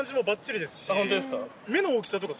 ホントですか？